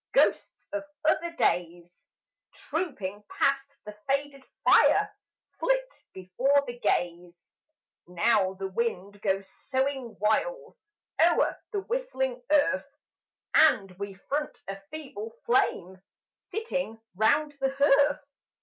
Ghosts of other days, Trooping past the faded fire, Flit before the gaze. Now the wind goes soughing wild O'er the whistling Earth; And we front a feeble flame, Sitting round the hearth!